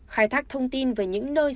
khai thác thông tin về những nơi